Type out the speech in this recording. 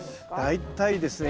大体ですね